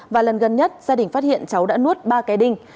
và lần gần nhất gia đình phát hiện cháu đã nuốt ba cái đinh